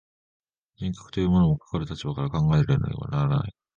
人格というものも、かかる立場から考えられねばならない。